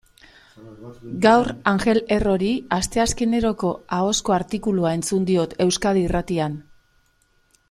Gaur Angel Errori asteazkeneroko ahozko artikulua entzun diot Euskadi Irratian.